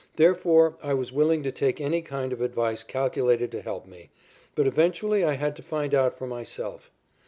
Therefore I was willing to take any kind of advice calculated to help me, but eventually I had to find out for myself.